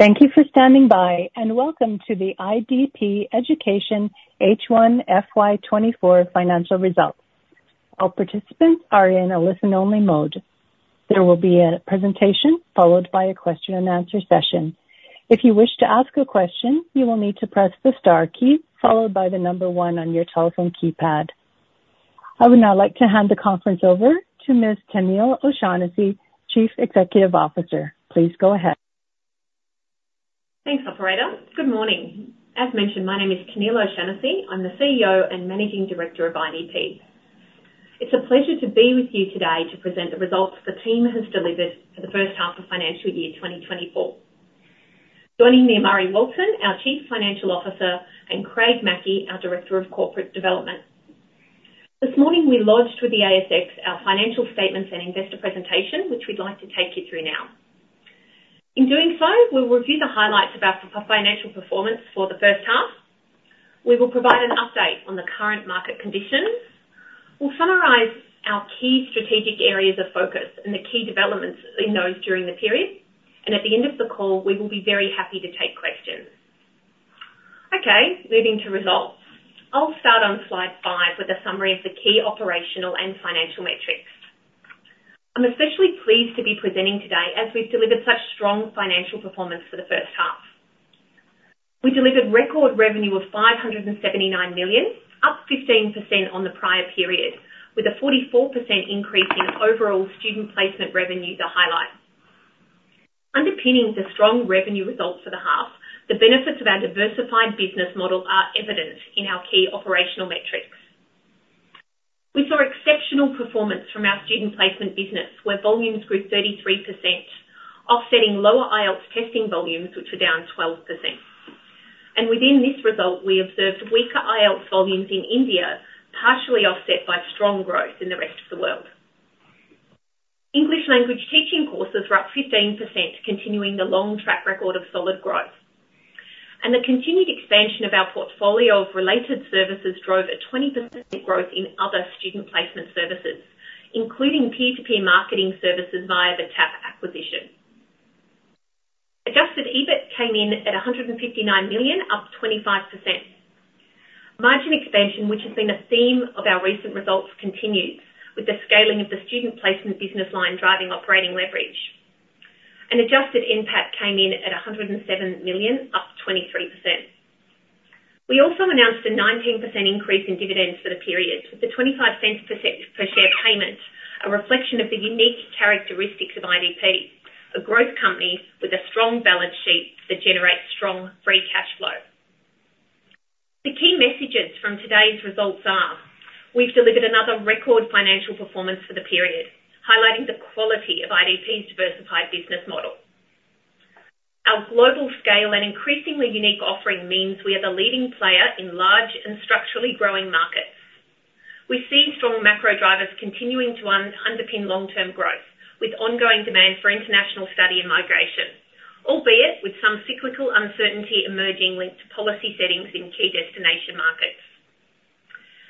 Thank you for standing by and welcome to the IDP Education H1 FY24 financial results. All participants are in a listen-only mode. There will be a presentation followed by a question-and-answer session. If you wish to ask a question, you will need to press the star key followed by the number one on your telephone keypad. I would now like to hand the conference over to Ms. Tennealle O'Shannessy, Chief Executive Officer. Please go ahead. Thanks, Operator. Good morning. As mentioned, my name is Tennealle O'Shannessy. I'm the CEO and Managing Director of IDP. It's a pleasure to be with you today to present the results the team has delivered for the first half of financial year 2024. Joining me are Murray Walton, our Chief Financial Officer, and Craig Mackey, our Director of Corporate Development. This morning we lodged with the ASX our financial statements and investor presentation, which we'd like to take you through now. In doing so, we'll review the highlights of our financial performance for the first half. We will provide an update on the current market conditions. We'll summarise our key strategic areas of focus and the key developments in those during the period. At the end of the call, we will be very happy to take questions. Okay. Moving to results. I'll start on slide 5 with a summary of the key operational and financial metrics. I'm especially pleased to be presenting today as we've delivered such strong financial performance for the first half. We delivered record revenue of 579 million, up 15% on the prior period, with a 44% increase in overall student placement revenue, the highlight. Underpinning the strong revenue results for the half, the benefits of our diversified business model are evident in our key operational metrics. We saw exceptional performance from our student placement business, where volumes grew 33%, offsetting lower IELTS testing volumes, which were down 12%. And within this result, we observed weaker IELTS volumes in India, partially offset by strong growth in the rest of the world. English language teaching courses were up 15%, continuing the long track record of solid growth. The continued expansion of our portfolio of related services drove a 20% growth in other student placement services, including peer-to-peer marketing services via the TAP acquisition. Adjusted EBIT came in at 159 million, up 25%. Margin expansion, which has been a theme of our recent results, continued with the scaling of the student placement business line driving operating leverage. Adjusted NPAT came in at 107 million, up 23%. We also announced a 19% increase in dividends for the period, with the 0.25 per share payment a reflection of the unique characteristics of IDP, a growth company with a strong balance sheet that generates strong free cash flow. The key messages from today's results are: we've delivered another record financial performance for the period, highlighting the quality of IDP's diversified business model. Our global scale and increasingly unique offering means we are the leading player in large and structurally growing markets. We see strong macro drivers continuing to underpin long-term growth, with ongoing demand for international study and migration, albeit with some cyclical uncertainty emerging linked to policy settings in key destination markets.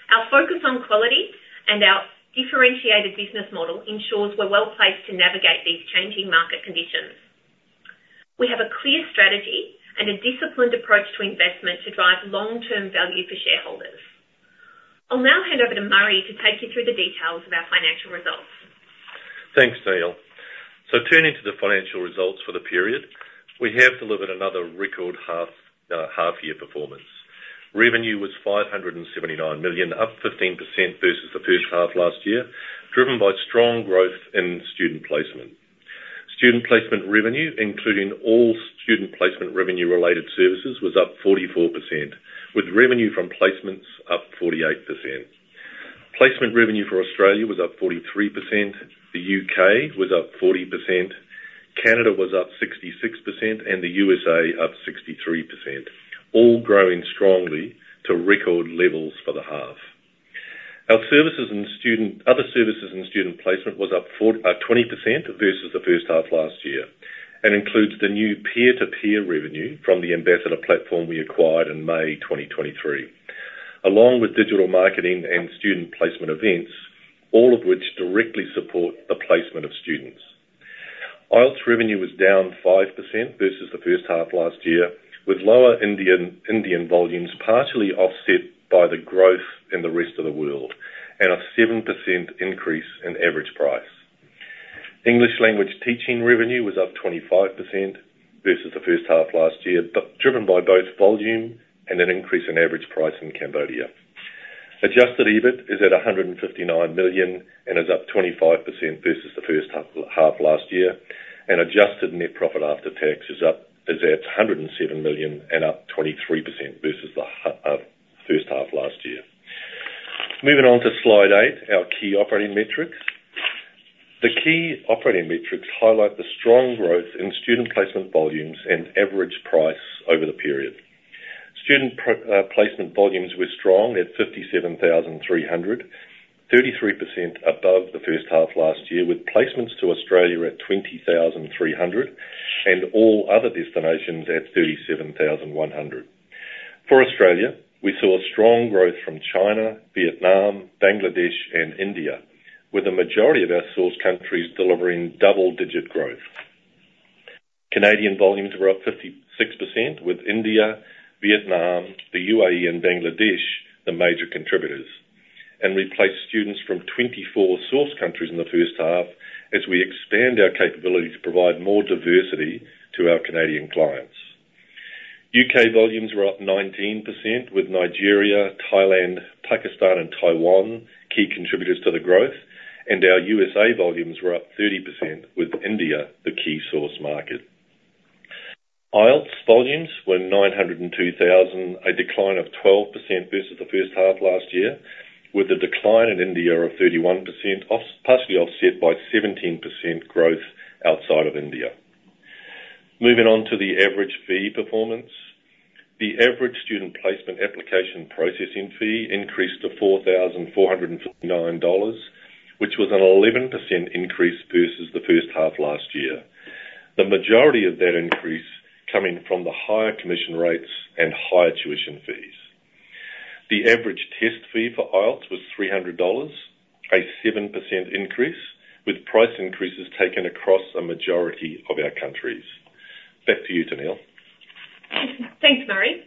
Our focus on quality and our differentiated business model ensures we're well placed to navigate these changing market conditions. We have a clear strategy and a disciplined approach to investment to drive long-term value for shareholders. I'll now hand over to Murray to take you through the details of our financial results. Thanks, Tennealle. So turning to the financial results for the period, we have delivered another record half-year performance. Revenue was 579 million, up 15% versus the first half last year, driven by strong growth in student placement. Student placement revenue, including all student placement revenue-related services, was up 44%, with revenue from placements up 48%. Placement revenue for Australia was up 43%. The UK was up 40%. Canada was up 66%, and the USA up 63%, all growing strongly to record levels for the half. Our services and student other services in student placement was up 20% versus the first half last year and includes the new peer-to-peer revenue from the Ambassador platform we acquired in May 2023, along with digital marketing and student placement events, all of which directly support the placement of students. IELTS revenue was down 5% versus the first half last year, with lower Indian volumes partially offset by the growth in the rest of the world and a 7% increase in average price. English language teaching revenue was up 25% versus the first half last year, driven by both volume and an increase in average price in Cambodia. Adjusted EBIT is at 159 million and is up 25% versus the first half last year. Adjusted net profit after tax is at 107 million and up 23% versus the first half last year. Moving on to slide 8, our key operating metrics. The key operating metrics highlight the strong growth in student placement volumes and average price over the period. Student placement volumes were strong at 57,300, 33% above the first half last year, with placements to Australia at 20,300 and all other destinations at 37,100. For Australia, we saw a strong growth from China, Vietnam, Bangladesh, and India, with the majority of our source countries delivering double-digit growth. Canadian volumes were up 56%, with India, Vietnam, the UAE, and Bangladesh the major contributors, and replaced students from 24 source countries in the first half as we expand our capability to provide more diversity to our Canadian clients. UK volumes were up 19%, with Nigeria, Thailand, Pakistan, and Taiwan key contributors to the growth. Our USA volumes were up 30%, with India the key source market. IELTS volumes were 902,000, a decline of 12% versus the first half last year, with a decline in India of 31%, partially offset by 17% growth outside of India. Moving on to the average fee performance. The average student placement application processing fee increased to 4,459 dollars, which was an 11% increase versus the first half last year, the majority of that increase coming from the higher commission rates and higher tuition fees. The average test fee for IELTS was 300 dollars, a 7% increase, with price increases taken across a majority of our countries. Back to you, Tennealle. Thanks, Murray.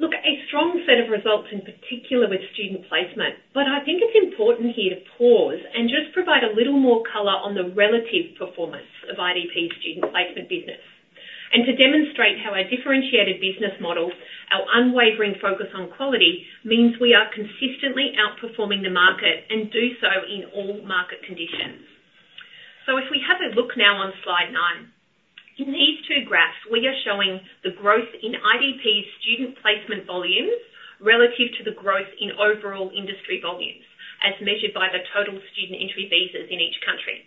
Look, a strong set of results in particular with student placement. I think it's important here to pause and just provide a little more color on the relative performance of IDP's student placement business, and to demonstrate how our differentiated business model, our unwavering focus on quality, means we are consistently outperforming the market and do so in all market conditions. If we have a look now on slide nine, in these two graphs, we are showing the growth in IDP's student placement volumes relative to the growth in overall industry volumes as measured by the total student entry visas in each country.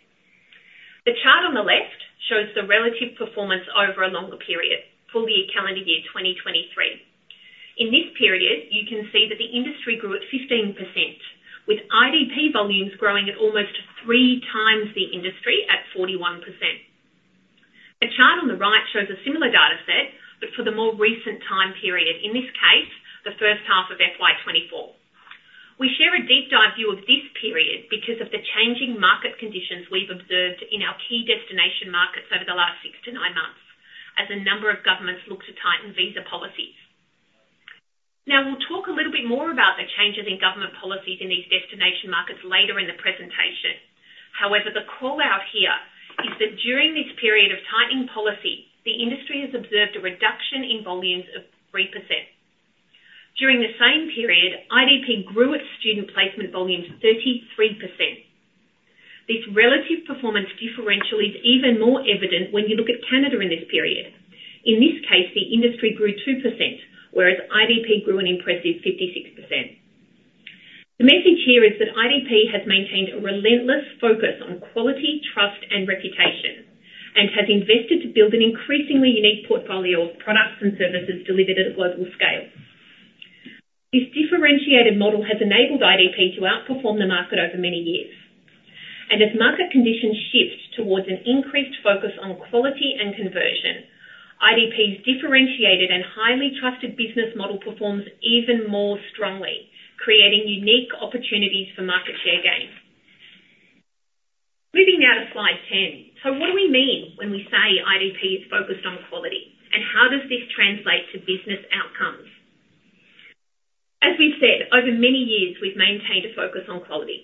The chart on the left shows the relative performance over a longer period, full calendar year 2023. In this period, you can see that the industry grew at 15%, with IDP volumes growing at almost three times the industry at 41%. The chart on the right shows a similar data set, but for the more recent time period, in this case, the first half of FY2024. We share a deep-dive view of this period because of the changing market conditions we've observed in our key destination markets over the last six to nine months as a number of governments look to tighten visa policies. Now, we'll talk a little bit more about the changes in government policies in these destination markets later in the presentation. However, the callout here is that during this period of tightening policy, the industry has observed a reduction in volumes of 3%. During the same period, IDP grew its student placement volumes 33%. This relative performance differential is even more evident when you look at Canada in this period. In this case, the industry grew 2%, whereas IDP grew an impressive 56%. The message here is that IDP has maintained a relentless focus on quality, trust, and reputation and has invested to build an increasingly unique portfolio of products and services delivered at a global scale. This differentiated model has enabled IDP to outperform the market over many years. As market conditions shift towards an increased focus on quality and conversion, IDP's differentiated and highly trusted business model performs even more strongly, creating unique opportunities for market share gain. Moving now to slide 10. So what do we mean when we say IDP is focused on quality, and how does this translate to business outcomes? As we've said, over many years, we've maintained a focus on quality.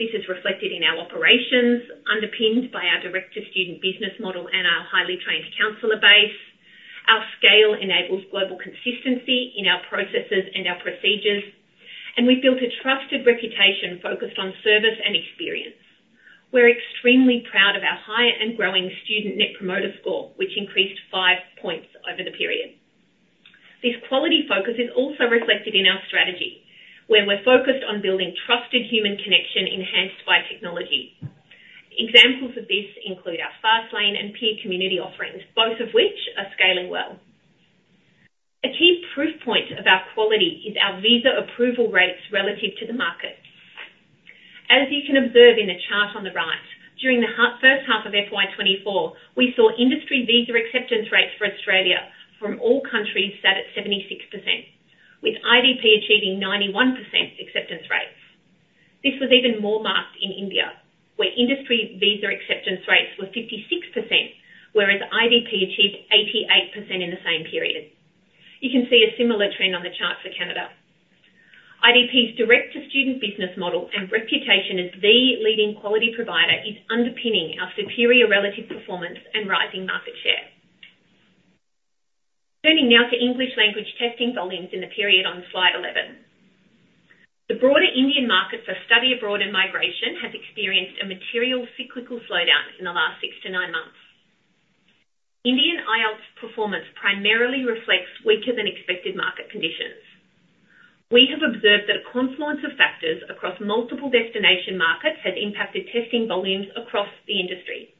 This is reflected in our operations, underpinned by our direct-to-student business model and our highly trained counselor base. Our scale enables global consistency in our processes and our procedures. We've built a trusted reputation focused on service and experience. We're extremely proud of our higher and growing student Net Promoter Score, which increased 5 points over the period. This quality focus is also reflected in our strategy, where we're focused on building trusted human connection enhanced by technology. Examples of this include our FastLane and peer community offerings, both of which are scaling well. A key proof point of our quality is our visa approval rates relative to the market. As you can observe in the chart on the right, during the first half of FY2024, we saw industry visa acceptance rates for Australia from all countries sat at 76%, with IDP achieving 91% acceptance rates. This was even more marked in India, where industry visa acceptance rates were 56%, whereas IDP achieved 88% in the same period. You can see a similar trend on the chart for Canada. IDP's director-student business model and reputation as the leading quality provider is underpinning our superior relative performance and rising market share. Turning now to English language testing volumes in the period on slide 11. The broader Indian market for study abroad and migration has experienced a material cyclical slowdown in the last 6-9 months. Indian IELTS performance primarily reflects weaker-than-expected market conditions. We have observed that a confluence of factors across multiple destination markets has impacted testing volumes across the industry.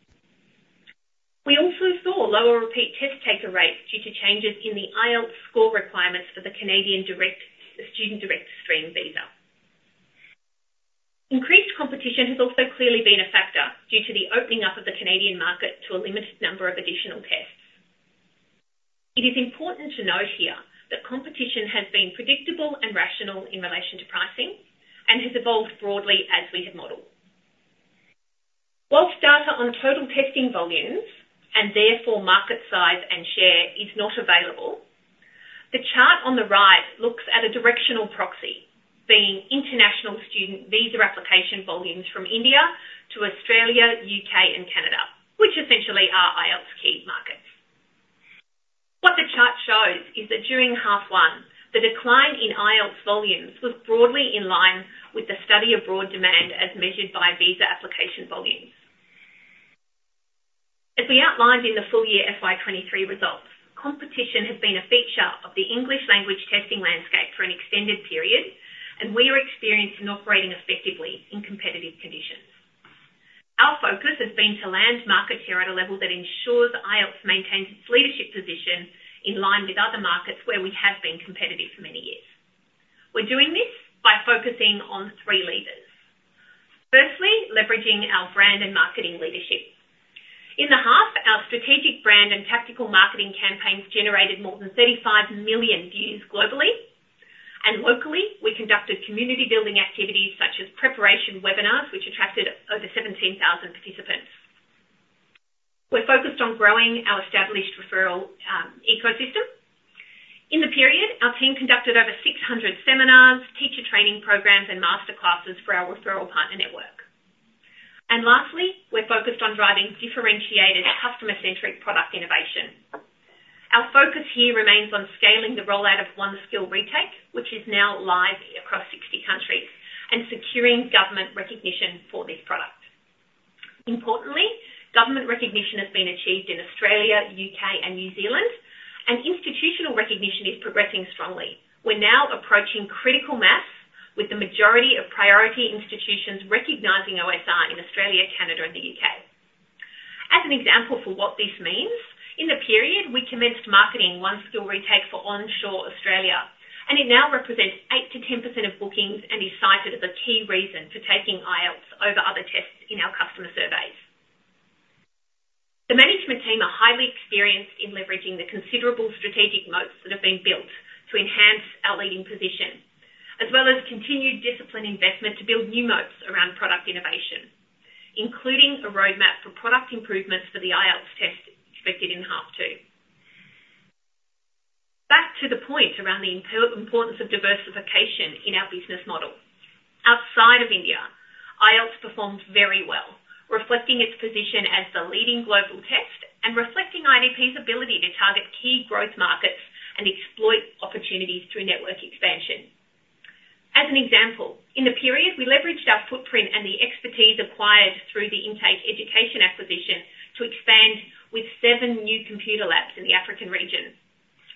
We also saw lower repeat test taker rates due to changes in the IELTS score requirements for the Canadian Student Direct Stream visa. Increased competition has also clearly been a factor due to the opening up of the Canadian market to a limited number of additional tests. It is important to note here that competition has been predictable and rational in relation to pricing and has evolved broadly as we have modelled. While data on total testing volumes and therefore market size and share is not available, the chart on the right looks at a directional proxy being international student visa application volumes from India to Australia, U.K., and Canada, which essentially are IELTS key markets. What the chart shows is that during half one, the decline in IELTS volumes was broadly in line with the study abroad demand as measured by visa application volumes. As we outlined in the full-year FY23 results, competition has been a feature of the English language testing landscape for an extended period, and we are experiencing operating effectively in competitive conditions. Our focus has been to land market share at a level that ensures IELTS maintains its leadership position in line with other markets where we have been competitive for many years. We're doing this by focusing on three levers. Firstly, leveraging our brand and marketing leadership. In the half, our strategic brand and tactical marketing campaigns generated more than 35 million views globally. And locally, we conducted community-building activities such as preparation webinars, which attracted over 17,000 participants. We're focused on growing our established referral ecosystem. In the period, our team conducted over 600 seminars, teacher training programs, and master classes for our referral partner network. And lastly, we're focused on driving differentiated, customer-centric product innovation. Our focus here remains on scaling the rollout of One Skill Retake, which is now live across 60 countries, and securing government recognition for this product. Importantly, government recognition has been achieved in Australia, UK, and New Zealand. Institutional recognition is progressing strongly. We're now approaching critical mass with the majority of priority institutions recognizing OSR in Australia, Canada, and the UK. As an example for what this means, in the period, we commenced marketing One Skill Retake for onshore Australia. It now represents 8%-10% of bookings and is cited as a key reason for taking IELTS over other tests in our customer surveys. The management team are highly experienced in leveraging the considerable strategic moats that have been built to enhance our leading position, as well as continued disciplined investment to build new moats around product innovation, including a roadmap for product improvements for the IELTS test expected in half two. Back to the point around the importance of diversification in our business model. Outside of India, IELTS performed very well, reflecting its position as the leading global test and reflecting IDP's ability to target key growth markets and exploit opportunities through network expansion. As an example, in the period, we leveraged our footprint and the expertise acquired through the Intake Education acquisition to expand with 7 new computer labs in the African region.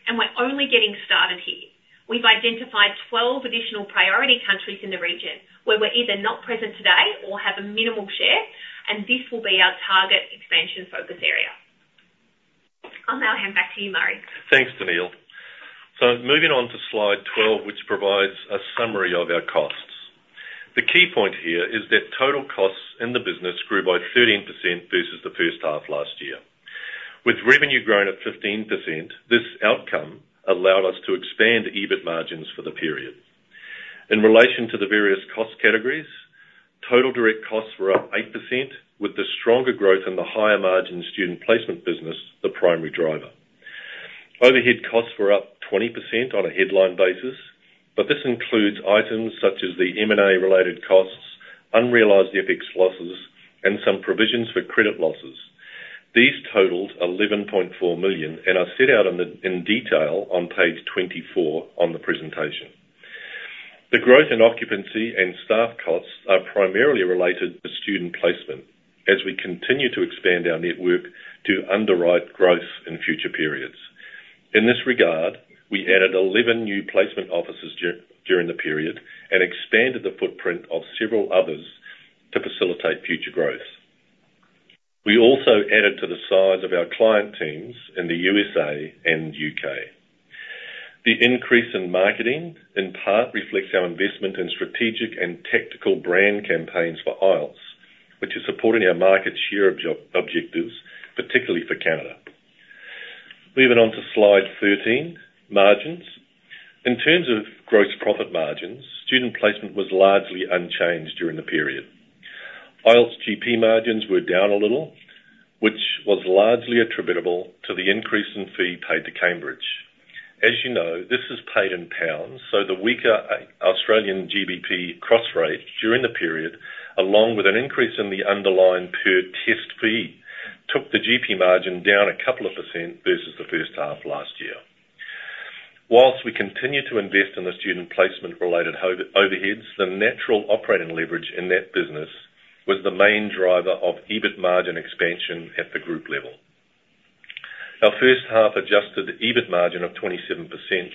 And we're only getting started here. We've identified 12 additional priority countries in the region where we're either not present today or have a minimal share. And this will be our target expansion focus area. I'll now hand back to you, Murray. Thanks, Tennealle. So moving on to slide 12, which provides a summary of our costs. The key point here is that total costs in the business grew by 13% versus the first half last year. With revenue grown at 15%, this outcome allowed us to expand EBIT margins for the period. In relation to the various cost categories, total direct costs were up 8%, with the stronger growth in the higher-margin student placement business the primary driver. Overhead costs were up 20% on a headline basis. But this includes items such as the M&A-related costs, unrealized EPICS losses, and some provisions for credit losses. These totaled 11.4 million and are set out in detail on page 24 on the presentation. The growth in occupancy and staff costs are primarily related to student placement as we continue to expand our network to underwrite growth in future periods. In this regard, we added 11 new placement offices during the period and expanded the footprint of several others to facilitate future growth. We also added to the size of our client teams in the USA and UK. The increase in marketing, in part, reflects our investment in strategic and tactical brand campaigns for IELTS, which is supporting our market share objectives, particularly for Canada. Moving on to slide 13, margins. In terms of gross profit margins, student placement was largely unchanged during the period. IELTS GP margins were down a little, which was largely attributable to the increase in fee paid to Cambridge. As you know, this is paid in pounds. So the weaker Australian GBP cross-rate during the period, along with an increase in the underlying per-test fee, took the GP margin down a couple of % versus the first half last year. While we continue to invest in the student placement-related overheads, the natural operating leverage in that business was the main driver of EBIT margin expansion at the group level. Our first-half adjusted EBIT margin of 27%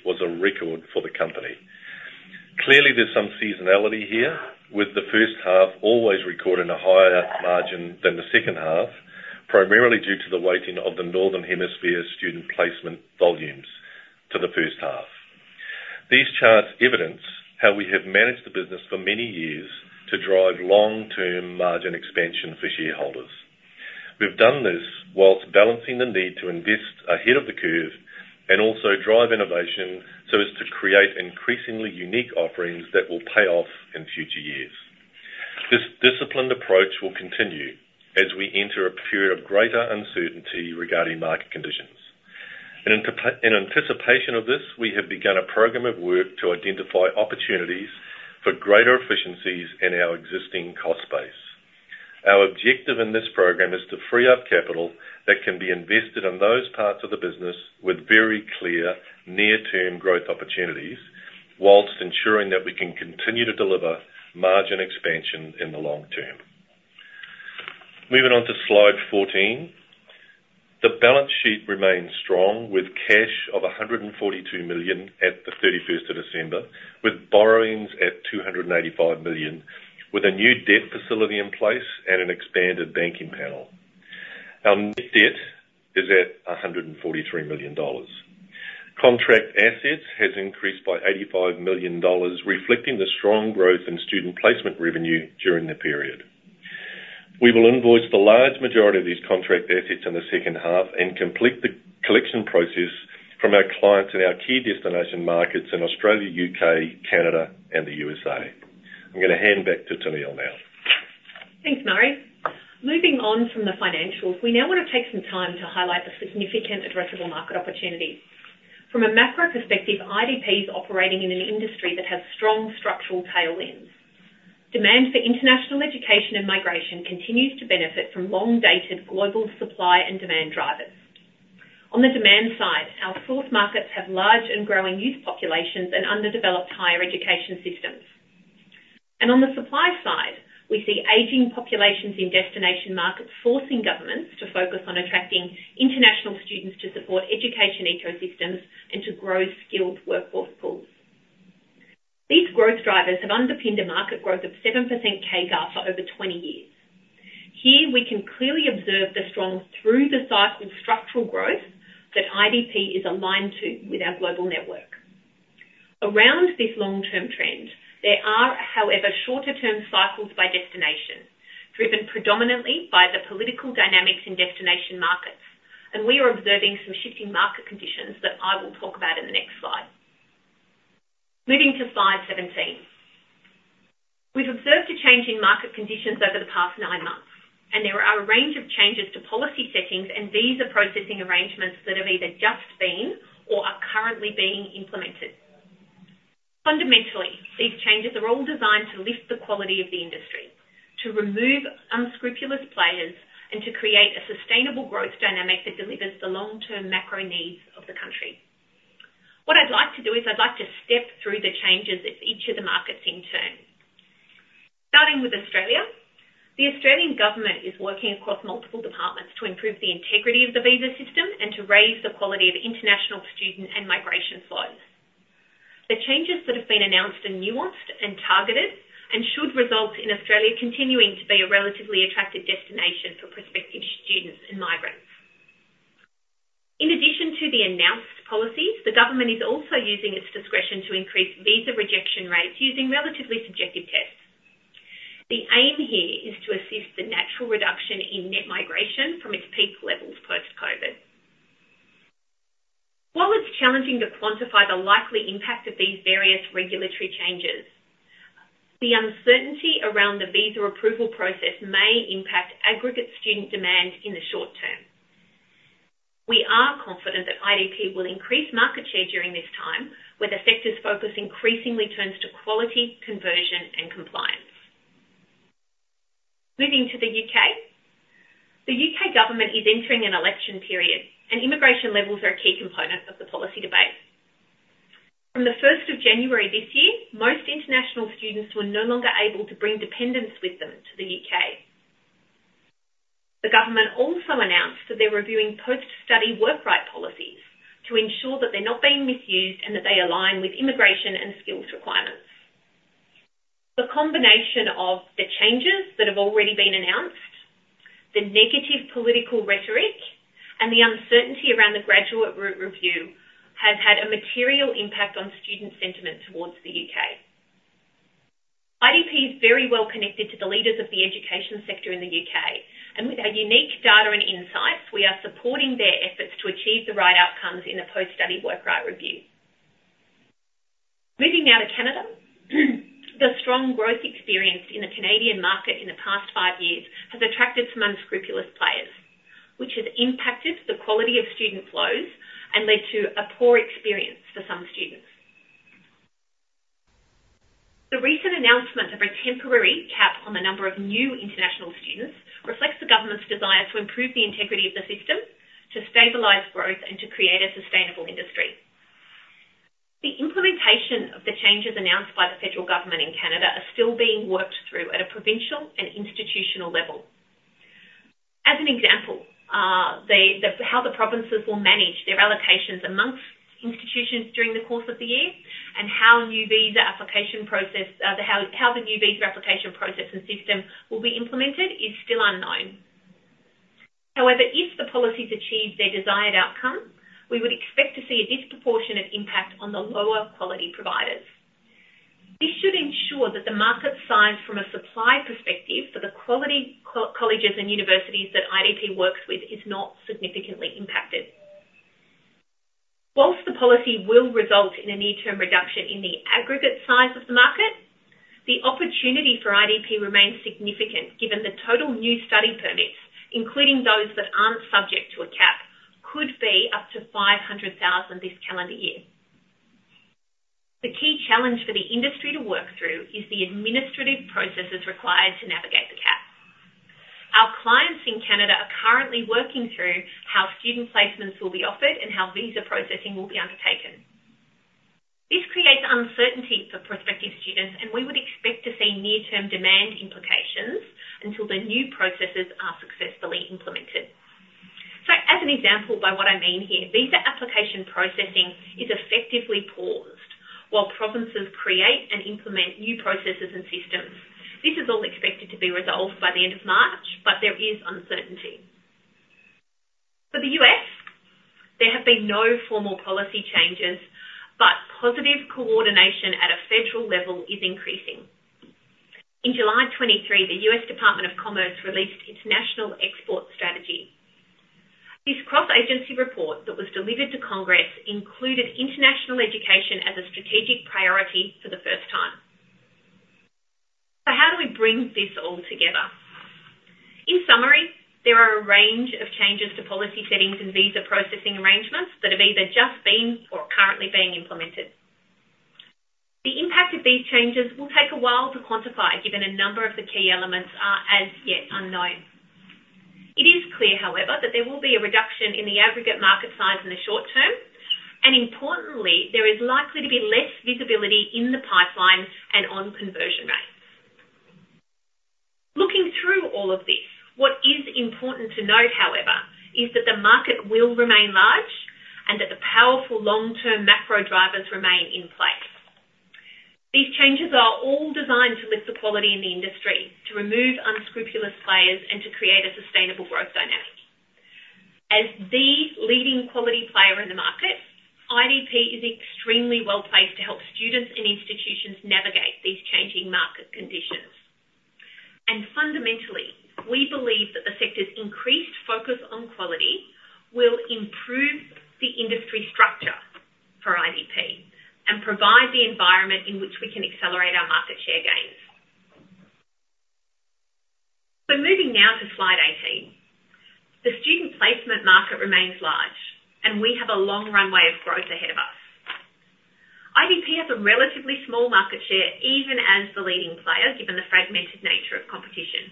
was a record for the company. Clearly, there's some seasonality here, with the first half always recording a higher margin than the second half, primarily due to the weighting of the northern hemisphere student placement volumes to the first half. These charts evidence how we have managed the business for many years to drive long-term margin expansion for shareholders. We've done this while balancing the need to invest ahead of the curve and also drive innovation so as to create increasingly unique offerings that will pay off in future years. This disciplined approach will continue as we enter a period of greater uncertainty regarding market conditions. In anticipation of this, we have begun a program of work to identify opportunities for greater efficiencies in our existing cost base. Our objective in this program is to free up capital that can be invested in those parts of the business with very clear near-term growth opportunities while ensuring that we can continue to deliver margin expansion in the long term. Moving on to slide 14. The balance sheet remains strong with cash of 142 million at the 31st of December, with borrowings at 285 million, with a new debt facility in place and an expanded banking panel. Our net debt is at 143 million dollars. Contract assets have increased by 85 million dollars, reflecting the strong growth in student placement revenue during the period. We will invoice the large majority of these Contract Assets in the second half and complete the collection process from our clients in our key destination markets in Australia, UK, Canada, and the USA. I'm going to hand back to Tennealle now. Thanks, Murray. Moving on from the financials, we now want to take some time to highlight the significant addressable market opportunities. From a macro perspective, IDP is operating in an industry that has strong structural tail ends. Demand for international education and migration continues to benefit from long-dated global supply and demand drivers. On the demand side, our source markets have large and growing youth populations and underdeveloped higher education systems. On the supply side, we see aging populations in destination markets forcing governments to focus on attracting international students to support education ecosystems and to grow skilled workforce pools. These growth drivers have underpinned a market growth of 7% CAGR for over 20 years. Here, we can clearly observe the strong through-the-cycle structural growth that IDP is aligned to with our global network. Around this long-term trend, there are, however, shorter-term cycles by destination, driven predominantly by the political dynamics in destination markets. We are observing some shifting market conditions that I will talk about in the next slide. Moving to slide 17. We've observed a change in market conditions over the past nine months. There are a range of changes to policy settings. These are processing arrangements that have either just been or are currently being implemented. Fundamentally, these changes are all designed to lift the quality of the industry, to remove unscrupulous players, and to create a sustainable growth dynamic that delivers the long-term macro needs of the country. What I'd like to do is I'd like to step through the changes at each of the markets in turn. Starting with Australia, the Australian government is working across multiple departments to improve the integrity of the visa system and to raise the quality of international student and migration flows. The changes that have been announced are nuanced and targeted and should result in Australia continuing to be a relatively attractive destination for prospective students and migrants. In addition to the announced policies, the government is also using its discretion to increase visa rejection rates using relatively subjective tests. The aim here is to assist the natural reduction in net migration from its peak levels post-COVID. While it's challenging to quantify the likely impact of these various regulatory changes, the uncertainty around the visa approval process may impact aggregate student demand in the short term. We are confident that IDP will increase market share during this time where the sector's focus increasingly turns to quality, conversion, and compliance. Moving to the UK. The UK government is entering an election period. Immigration levels are a key component of the policy debate. From the 1st of January this year, most international students were no longer able to bring dependents with them to the UK. The government also announced that they're reviewing post-study work-right policies to ensure that they're not being misused and that they align with immigration and skills requirements. The combination of the changes that have already been announced, the negative political rhetoric, and the uncertainty around the graduate route review has had a material impact on student sentiment towards the UK. IDP is very well connected to the leaders of the education sector in the UK. With our unique data and insights, we are supporting their efforts to achieve the right outcomes in the post-study work-right review. Moving now to Canada. The strong growth experienced in the Canadian market in the past five years has attracted some unscrupulous players, which has impacted the quality of student flows and led to a poor experience for some students. The recent announcement of a temporary cap on the number of new international students reflects the government's desire to improve the integrity of the system, to stabilize growth, and to create a sustainable industry. The implementation of the changes announced by the federal government in Canada is still being worked through at a provincial and institutional level. As an example, how the provinces will manage their allocations among institutions during the course of the year and how the new visa application process and system will be implemented is still unknown. However, if the policies achieve their desired outcome, we would expect to see a disproportionate impact on the lower-quality providers. This should ensure that the market size from a supply perspective for the quality colleges and universities that IDP works with is not significantly impacted. While the policy will result in a near-term reduction in the aggregate size of the market, the opportunity for IDP remains significant given the total new study permits, including those that aren't subject to a cap, could be up to 500,000 this calendar year. The key challenge for the industry to work through is the administrative processes required to navigate the cap. Our clients in Canada are currently working through how student placements will be offered and how visa processing will be undertaken. This creates uncertainty for prospective students. We would expect to see near-term demand implications until the new processes are successfully implemented. So as an example by what I mean here, visa application processing is effectively paused while provinces create and implement new processes and systems. This is all expected to be resolved by the end of March. But there is uncertainty. For the U.S., there have been no formal policy changes. But positive coordination at a federal level is increasing. In July 2023, the U.S. Department of Commerce released its National Export Strategy for the first time. So how do we bring this all together? In summary, there are a range of changes to policy settings and visa processing arrangements that have either just been or are currently being implemented. The impact of these changes will take a while to quantify given a number of the key elements are as yet unknown. It is clear, however, that there will be a reduction in the aggregate market size in the short term. Importantly, there is likely to be less visibility in the pipeline and on conversion rates. Looking through all of this, what is important to note, however, is that the market will remain large and that the powerful long-term macro drivers remain in place. These changes are all designed to lift the quality in the industry, to remove unscrupulous players, and to create a sustainable growth dynamic. As the leading quality player in the market, IDP is extremely well placed to help students and institutions navigate these changing market conditions. Fundamentally, we believe that the sector's increased focus on quality will improve the industry structure for IDP and provide the environment in which we can accelerate our market share gains. Moving now to slide 18. The student placement market remains large. We have a long runway of growth ahead of us. IDP has a relatively small market share even as the leading player given the fragmented nature of competition.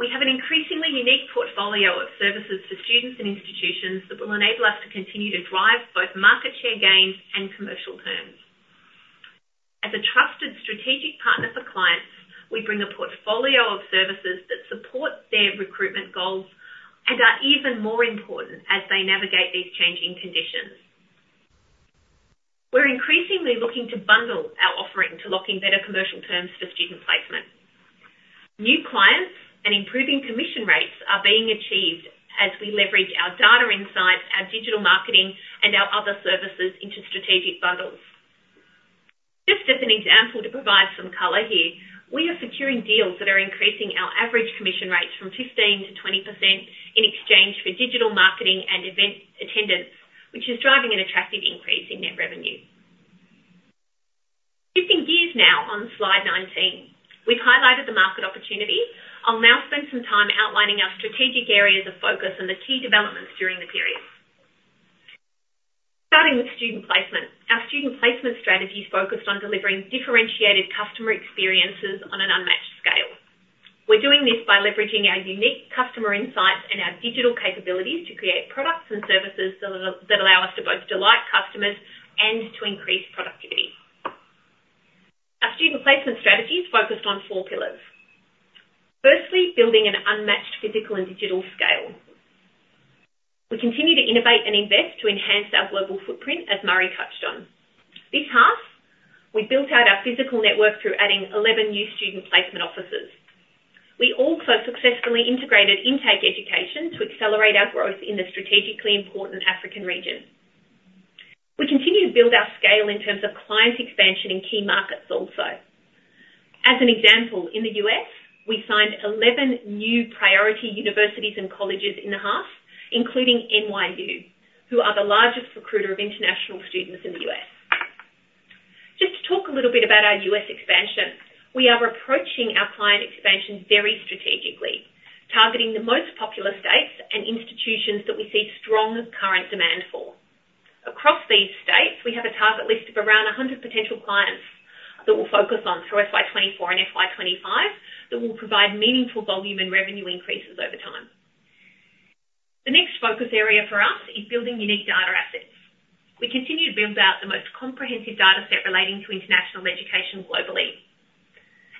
We have an increasingly unique portfolio of services for students and institutions that will enable us to continue to drive both market share gains and commercial terms. As a trusted strategic partner for clients, we bring a portfolio of services that support their recruitment goals and are even more important as they navigate these changing conditions. We're increasingly looking to bundle our offering to lock in better commercial terms for student placement. New clients and improving commission rates are being achieved as we leverage our data insights, our digital marketing, and our other services into strategic bundles. Just as an example to provide some color here, we are securing deals that are increasing our average commission rates from 15%-20% in exchange for digital marketing and event attendance, which is driving an attractive increase in net revenue. Shifting gears now on slide 19. We've highlighted the market opportunity. I'll now spend some time outlining our strategic areas of focus and the key developments during the period. Starting with student placement, our student placement strategy is focused on delivering differentiated customer experiences on an unmatched scale. We're doing this by leveraging our unique customer insights and our digital capabilities to create products and services that allow us to both delight customers and to increase productivity. Our student placement strategy is focused on four pillars. Firstly, building an unmatched physical and digital scale. We continue to innovate and invest to enhance our global footprint, as Murray touched on. This half, we built out our physical network through adding 11 new student placement offices. We also successfully integrated Intake Education to accelerate our growth in the strategically important African region. We continue to build our scale in terms of client expansion in key markets also. As an example, in the U.S., we signed 11 new priority universities and colleges in the half, including NYU, who are the largest recruiter of international students in the U.S. Just to talk a little bit about our U.S. expansion, we are approaching our client expansion very strategically, targeting the most popular states and institutions that we see strong current demand for. Across these states, we have a target list of around 100 potential clients that we'll focus on through FY24 and FY25 that will provide meaningful volume and revenue increases over time. The next focus area for us is building unique data assets. We continue to build out the most comprehensive dataset relating to international education globally.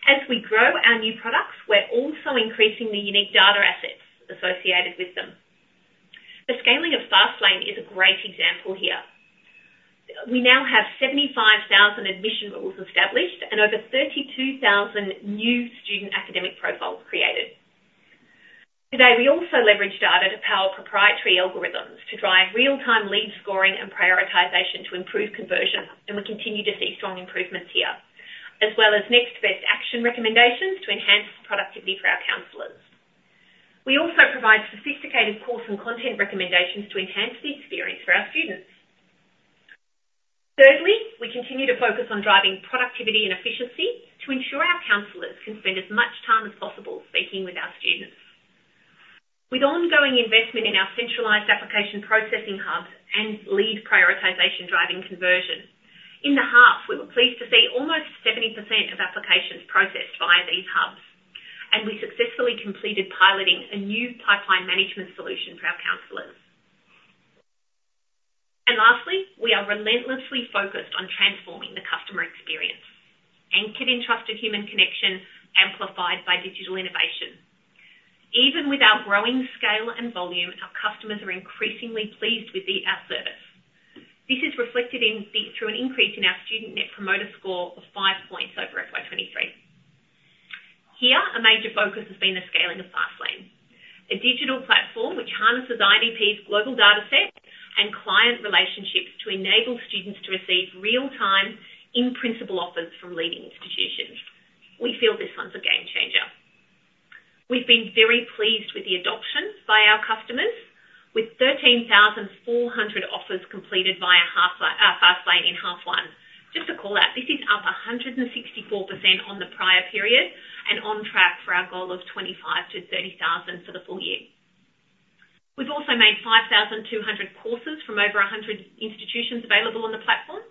As we grow our new products, we're also increasing the unique data assets associated with them. The scaling of FastLane is a great example here. We now have 75,000 admission rules established and over 32,000 new student academic profiles created. Today, we also leverage data to power proprietary algorithms to drive real-time lead scoring and prioritization to improve conversion. We continue to see strong improvements here, as well as next-best action recommendations to enhance productivity for our counselors. We also provide sophisticated course and content recommendations to enhance the experience for our students. Thirdly, we continue to focus on driving productivity and efficiency to ensure our counselors can spend as much time as possible speaking with our students. With ongoing investment in our centralized application processing hubs and lead prioritization driving conversion, in the half, we were pleased to see almost 70% of applications processed via these hubs. We successfully completed piloting a new pipeline management solution for our counselors. Lastly, we are relentlessly focused on transforming the customer experience, anchored in trusted human connection amplified by digital innovation. Even with our growing scale and volume, our customers are increasingly pleased with our service. This is reflected through an increase in our student Net Promoter Score of five points over FY23. Here, a major focus has been the scaling of Fastlane, a digital platform which harnesses IDP's global dataset and client relationships to enable students to receive real-time, in-principle offers from leading institutions. We feel this one's a game changer. We've been very pleased with the adoption by our customers, with 13,400 offers completed via Fastlane in half one. Just to call out, this is up 164% on the prior period and on track for our goal of 25-30 thousand for the full year. We've also made 5,200 courses from over 100 institutions available on the platform.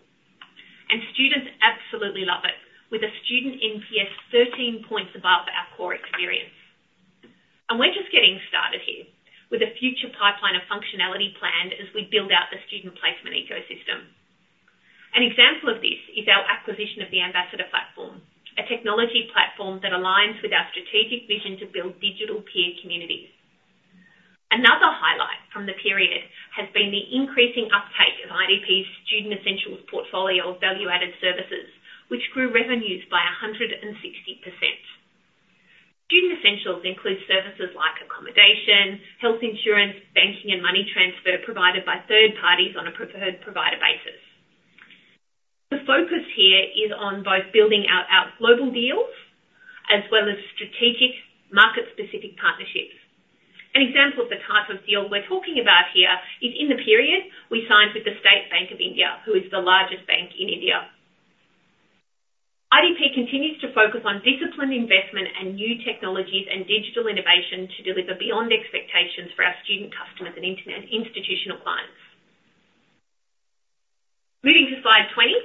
And students absolutely love it, with a student NPS 13 points above our core experience. And we're just getting started here, with a future pipeline of functionality planned as we build out the student placement ecosystem. An example of this is our acquisition of the Ambassador Platform, a technology platform that aligns with our strategic vision to build digital peer communities. Another highlight from the period has been the increasing uptake of IDP's Student Essentials portfolio of value-added services, which grew revenues by 160%. Student Essentials includes services like accommodation, health insurance, banking, and money transfer provided by third parties on a preferred provider basis. The focus here is on both building out our global deals as well as strategic market-specific partnerships. An example of the type of deal we're talking about here is in the period we signed with the State Bank of India, who is the largest bank in India. IDP continues to focus on disciplined investment and new technologies and digital innovation to deliver beyond expectations for our student customers and institutional clients. Moving to slide 20.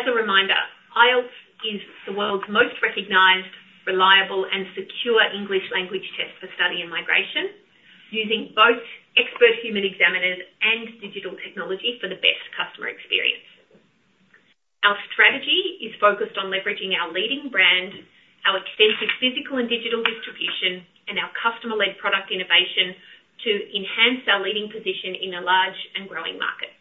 As a reminder, IELTS is the world's most recognized, reliable, and secure English language test for study and migration, using both expert human examiners and digital technology for the best customer experience. Our strategy is focused on leveraging our leading brand, our extensive physical and digital distribution, and our customer-led product innovation to enhance our leading position in a large and growing market.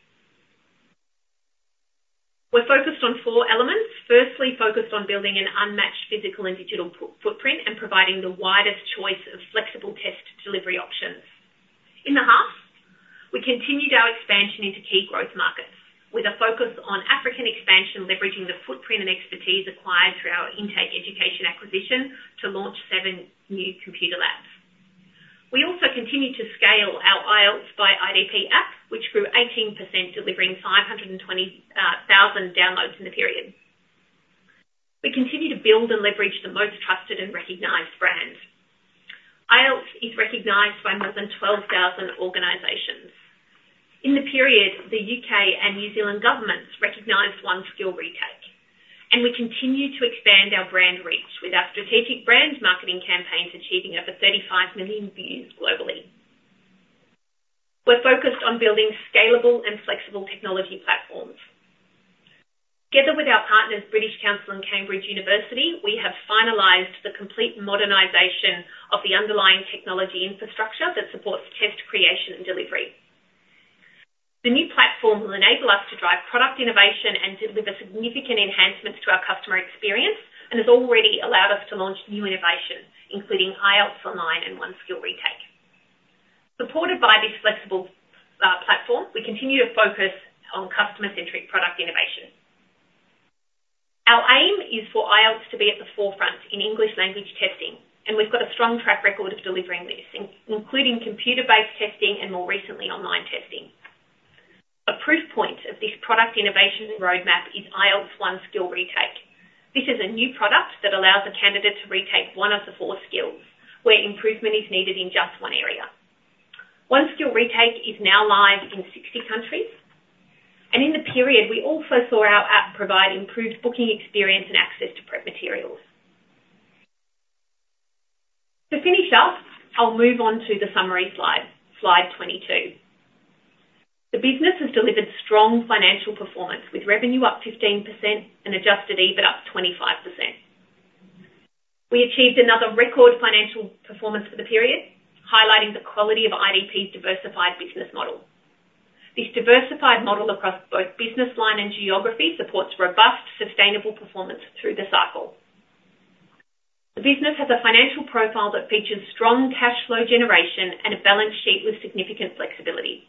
We're focused on four elements. Firstly, focused on building an unmatched physical and digital footprint and providing the widest choice of flexible test delivery options. In the half, we continued our expansion into key growth markets with a focus on African expansion, leveraging the footprint and expertise acquired through our Intake Education acquisition to launch seven new computer labs. We also continue to scale our IELTS by IDP app, which grew 18%, delivering 520,000 downloads in the period. We continue to build and leverage the most trusted and recognized brands. IELTS is recognized by more than 12,000 organizations. In the period, the U.K. and New Zealand governments recognized One Skill Retake. We continue to expand our brand reach with our strategic brand marketing campaigns achieving over 35 million views globally. We're focused on building scalable and flexible technology platforms. Together with our partners, British Council and Cambridge University, we have finalized the complete modernization of the underlying technology infrastructure that supports test creation and delivery. The new platform will enable us to drive product innovation and deliver significant enhancements to our customer experience and has already allowed us to launch new innovation, including IELTS Online and One Skill Retake. Supported by this flexible platform, we continue to focus on customer-centric product innovation. Our aim is for IELTS to be at the forefront in English language testing. We've got a strong track record of delivering this, including computer-based testing and, more recently, online testing. A proof point of this product innovation roadmap is IELTS One Skill Retake. This is a new product that allows a candidate to retake one of the four skills where improvement is needed in just one area. One Skill Retake is now live in 60 countries. And in the period, we also saw our app provide improved booking experience and access to prep materials. To finish up, I'll move on to the summary slide, slide 22. The business has delivered strong financial performance, with revenue up 15% and Adjusted EBIT up 25%. We achieved another record financial performance for the period, highlighting the quality of IDP's diversified business model. This diversified model across both business line and geography supports robust, sustainable performance through the cycle. The business has a financial profile that features strong cash flow generation and a balance sheet with significant flexibility.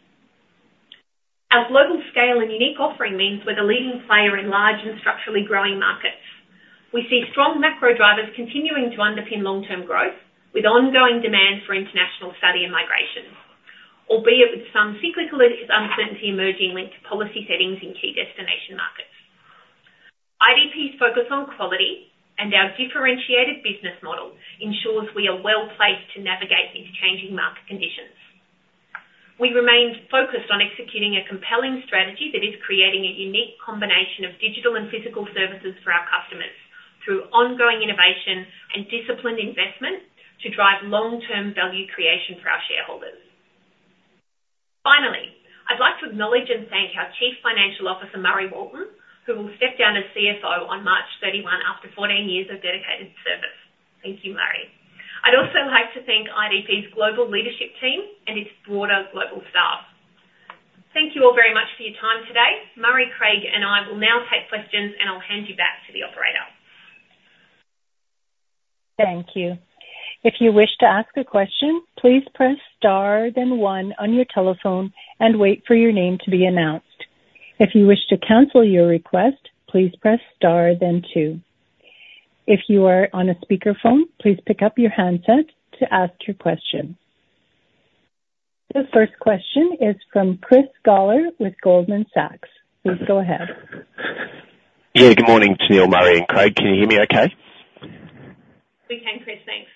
Our global scale and unique offering means we're the leading player in large and structurally growing markets. We see strong macro drivers continuing to underpin long-term growth with ongoing demand for international study and migration, albeit with some cyclical uncertainty emerging linked to policy settings in key destination markets. IDP's focus on quality and our differentiated business model ensures we are well placed to navigate these changing market conditions. We remain focused on executing a compelling strategy that is creating a unique combination of digital and physical services for our customers through ongoing innovation and disciplined investment to drive long-term value creation for our shareholders. Finally, I'd like to acknowledge and thank our Chief Financial Officer, Murray Walton, who will step down as CFO on March 31 after 14 years of dedicated service. Thank you, Murray. I'd also like to thank IDP's global leadership team and its broader global staff. Thank you all very much for your time today. Murray, Craig, and I will now take questions, and I'll hand you back to the operator. Thank you. If you wish to ask a question, please press star then one on your telephone and wait for your name to be announced. If you wish to cancel your request, please press star then two. If you are on a speakerphone, please pick up your handset to ask your question. The first question is from Chris Hollis with Goldman Sachs. Please go ahead. Yeah. Good morning, Tennealle, Murray, and Craig. Can you hear me okay? We can, Chris. Thanks.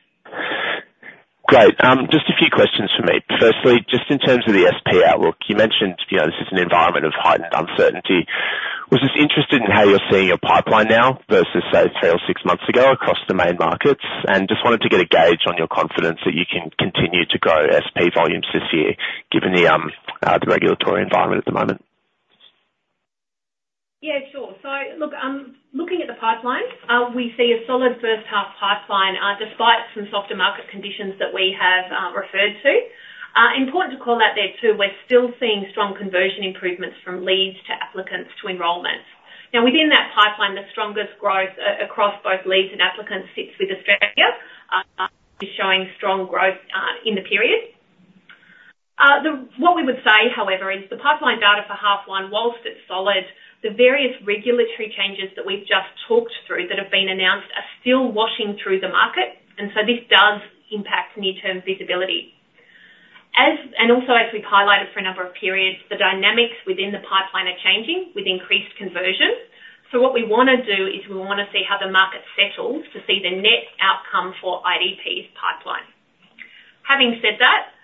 Great. Just a few questions for me. Firstly, just in terms of the SP outlook, you mentioned this is an environment of heightened uncertainty. I was interested in how you're seeing your pipeline now versus, say, three or six months ago across the main markets? And just wanted to get a gauge on your confidence that you can continue to grow SP volumes this year, given the regulatory environment at the moment. Yeah. Sure. So look, looking at the pipeline, we see a solid first-half pipeline despite some softer market conditions that we have referred to. Important to call out there too, we're still seeing strong conversion improvements from leads to applicants to enrollment. Now, within that pipeline, the strongest growth across both leads and applicants sits with Australia, showing strong growth in the period. What we would say, however, is the pipeline data for half one, while it's solid, the various regulatory changes that we've just talked through that have been announced are still washing through the market. And so this does impact near-term visibility. And also, as we've highlighted for a number of periods, the dynamics within the pipeline are changing with increased conversion. So what we want to do is we want to see how the market settles to see the net outcome for IDP's pipeline. Having said that,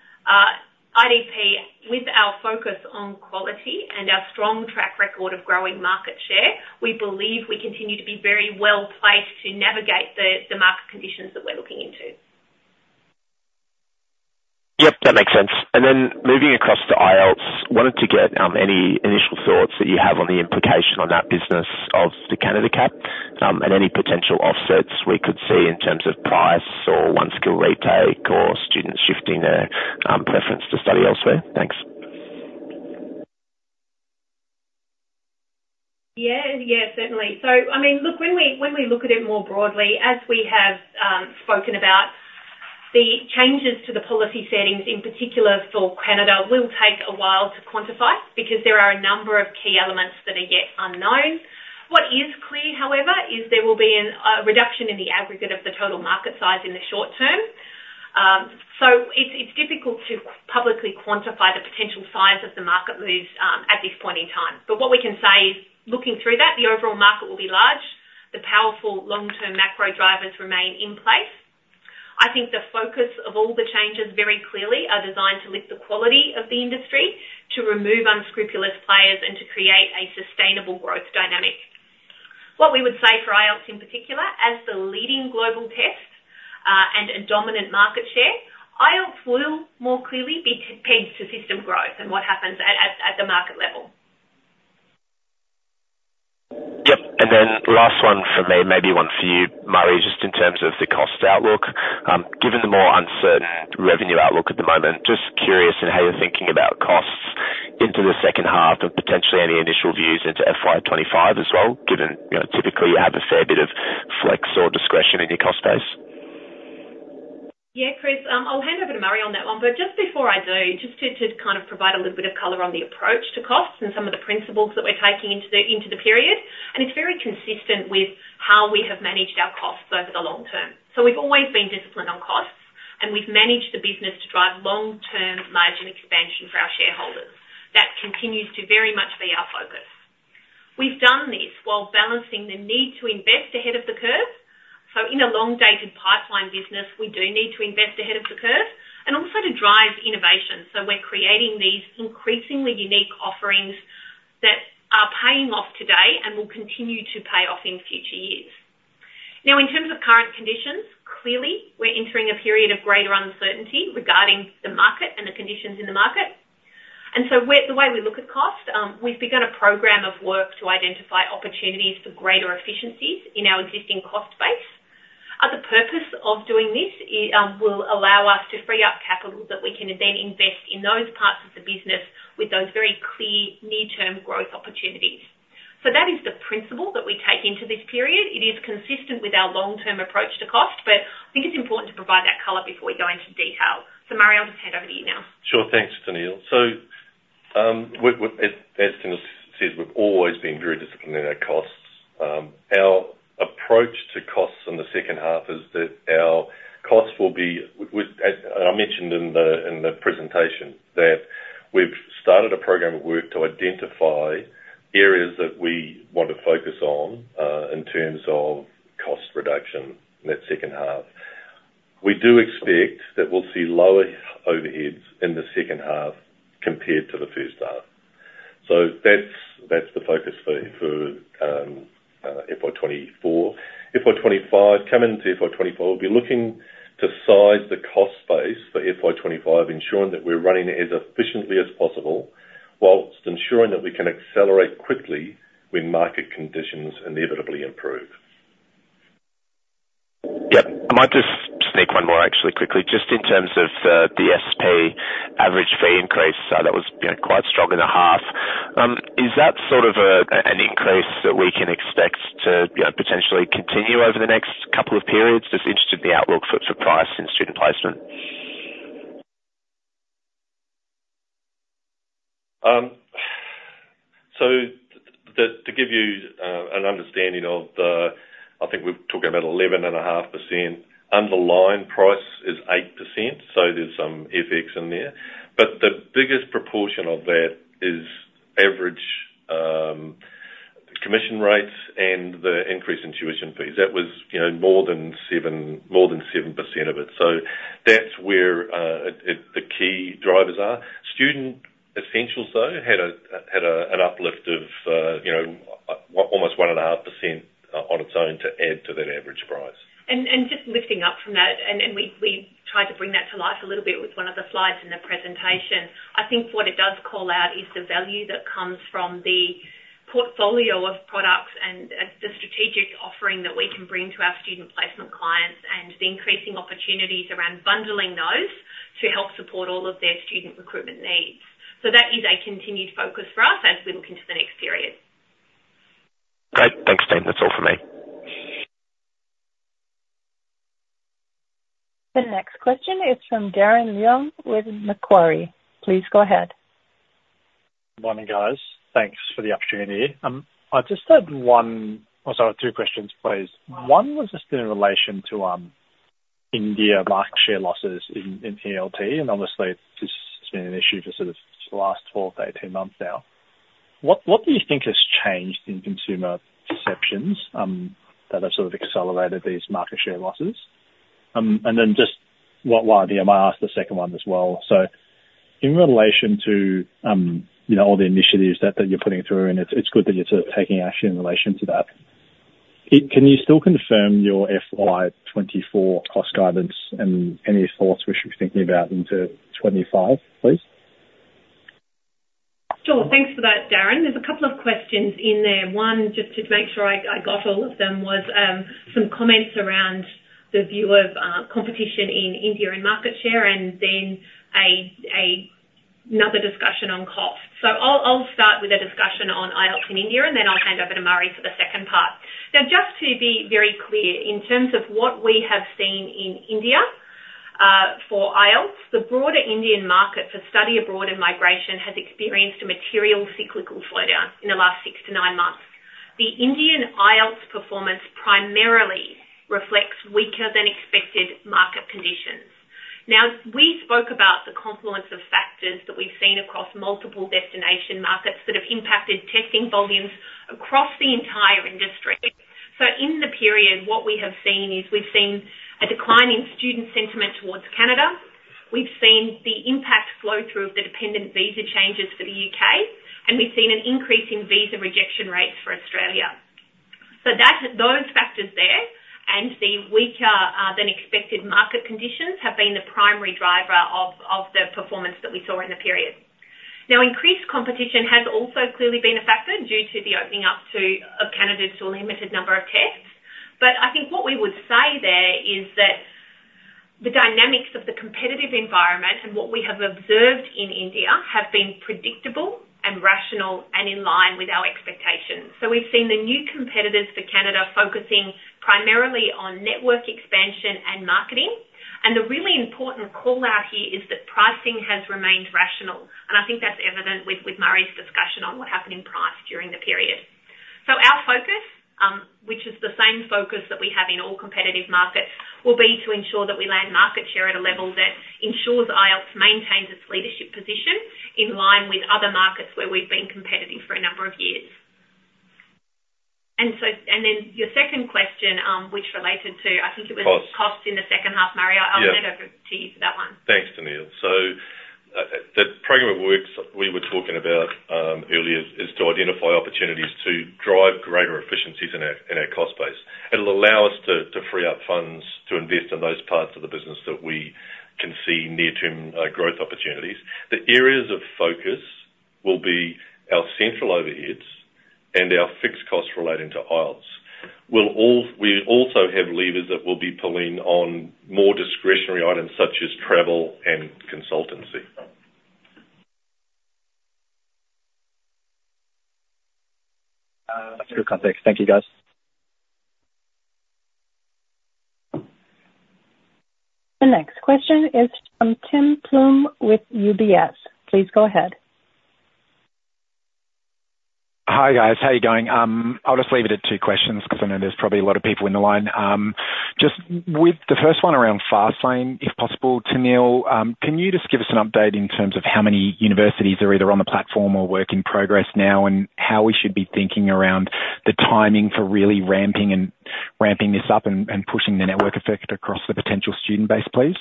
IDP, with our focus on quality and our strong track record of growing market share, we believe we continue to be very well placed to navigate the market conditions that we're looking into. Yep. That makes sense. Then moving across to IELTS, wanted to get any initial thoughts that you have on the implication on that business of the Canada cap and any potential offsets we could see in terms of price or One Skill Retake or students shifting their preference to study elsewhere. Thanks. Yeah. Yeah. Certainly. So I mean, look, when we look at it more broadly, as we have spoken about, the changes to the policy settings, in particular for Canada, will take a while to quantify because there are a number of key elements that are yet unknown. What is clear, however, is there will be a reduction in the aggregate of the total market size in the short term. So it's difficult to publicly quantify the potential size of the market loss at this point in time. But what we can say is, looking through that, the overall market will be large. The powerful long-term macro drivers remain in place. I think the focus of all the changes, very clearly, are designed to lift the quality of the industry, to remove unscrupulous players, and to create a sustainable growth dynamic. What we would say for IELTS, in particular, as the leading global test and a dominant market share, IELTS will more clearly be pegged to system growth and what happens at the market level. Yep. And then last one for me, maybe one for you, Murray, just in terms of the cost outlook. Given the more uncertain revenue outlook at the moment, just curious in how you're thinking about costs into the second half and potentially any initial views into FY 2025 as well, given typically you have a fair bit of flex or discretion in your cost base. Yeah, Chris. I'll hand over to Murray on that one. But just before I do, just to kind of provide a little bit of color on the approach to costs and some of the principles that we're taking into the period. And it's very consistent with how we have managed our costs over the long term. So we've always been disciplined on costs, and we've managed the business to drive long-term margin expansion for our shareholders. That continues to very much be our focus. We've done this while balancing the need to invest ahead of the curve. So in a long-dated pipeline business, we do need to invest ahead of the curve and also to drive innovation. So we're creating these increasingly unique offerings that are paying off today and will continue to pay off in future years. Now, in terms of current conditions, clearly, we're entering a period of greater uncertainty regarding the market and the conditions in the market. And so the way we look at cost, we've begun a program of work to identify opportunities for greater efficiencies in our existing cost base. The purpose of doing this will allow us to free up capital that we can then invest in those parts of the business with those very clear near-term growth opportunities. So that is the principle that we take into this period. It is consistent with our long-term approach to cost. But I think it's important to provide that color before we go into detail. So Murray, I'll just hand over to you now. Sure. Thanks, Tennealle. So as Tennealle says, we've always been very disciplined in our costs. Our approach to costs in the second half is that our costs will be and I mentioned in the presentation that we've started a program of work to identify areas that we want to focus on in terms of cost reduction in that second half. We do expect that we'll see lower overheads in the second half compared to the first half. So that's the focus for FY24. Coming to FY24, we'll be looking to size the cost base for FY25, ensuring that we're running as efficiently as possible while ensuring that we can accelerate quickly when market conditions inevitably improve. Yep. I might just sneak one more, actually, quickly. Just in terms of the SP average fee increase, that was quite strong in the half. Is that sort of an increase that we can expect to potentially continue over the next couple of periods? Just interested in the outlook for price and student placement. So to give you an understanding of the, I think we're talking about 11.5%. Underlying price is 8%. So there's some effects in there. But the biggest proportion of that is average commission rates and the increase in tuition fees. That was more than 7% of it. So that's where the key drivers are. Student Essentials, though, had an uplift of almost 1.5% on its own to add to that average price. Just lifting up from that, and we tried to bring that to life a little bit with one of the slides in the presentation, I think what it does call out is the value that comes from the portfolio of products and the strategic offering that we can bring to our student placement clients and the increasing opportunities around bundling those to help support all of their student recruitment needs. So that is a continued focus for us as we look into the next period. Great. Thanks, Tennealle. That's all from me. The next question is from Darren Leung with Macquarie. Please go ahead. Good morning, guys. Thanks for the opportunity here. I just had one or sorry, two questions, please. One was just in relation to India market share losses in ELT. And obviously, this has been an issue for sort of the last 12-18 months now. What do you think has changed in consumer perceptions that have sort of accelerated these market share losses? And then just while I'm here, I might ask the second one as well. So in relation to all the initiatives that you're putting through, and it's good that you're sort of taking action in relation to that, can you still confirm your FY 2024 cost guidance and any thoughts we should be thinking about into 2025, please? Sure. Thanks for that, Darren. There's a couple of questions in there. One, just to make sure I got all of them, was some comments around the view of competition in India and market share and then another discussion on cost. So I'll start with a discussion on IELTS in India, and then I'll hand over to Murray for the second part. Now, just to be very clear, in terms of what we have seen in India for IELTS, the broader Indian market for study abroad and migration has experienced a material cyclical slowdown in the last 6-9 months. The Indian IELTS performance primarily reflects weaker-than-expected market conditions. Now, we spoke about the confluence of factors that we've seen across multiple destination markets that have impacted testing volumes across the entire industry. So in the period, what we have seen is we've seen a decline in student sentiment towards Canada. We've seen the impact flow-through of the dependent visa changes for the UK. And we've seen an increase in visa rejection rates for Australia. So those factors there and the weaker-than-expected market conditions have been the primary driver of the performance that we saw in the period. Now, increased competition has also clearly been a factor due to the opening up of Canada to a limited number of tests. But I think what we would say there is that the dynamics of the competitive environment and what we have observed in India have been predictable and rational and in line with our expectations. So we've seen the new competitors for Canada focusing primarily on network expansion and marketing. And the really important call-out here is that pricing has remained rational. I think that's evident with Murray's discussion on what happened in price during the period. Our focus, which is the same focus that we have in all competitive markets, will be to ensure that we land market share at a level that ensures IELTS maintains its leadership position in line with other markets where we've been competitive for a number of years. Then your second question, which related to, I think, it was. Costs. Costs in the second half, Murray. I'll hand over to you for that one. Thanks, Tennealle. So the program of work we were talking about earlier is to identify opportunities to drive greater efficiencies in our cost base. It'll allow us to free up funds to invest in those parts of the business that we can see near-term growth opportunities. The areas of focus will be our central overheads and our fixed costs relating to IELTS. We also have levers that will be pulling on more discretionary items such as travel and consultancy. That's good context. Thank you, guys. The next question is from Tim Plumbe with UBS. Please go ahead. Hi, guys. How are you going? I'll just leave it at two questions because I know there's probably a lot of people in the line. Just with the first one around Fastlane, if possible, Tennealle, can you just give us an update in terms of how many universities are either on the platform or work in progress now and how we should be thinking around the timing for really ramping this up and pushing the network effect across the potential student base, please?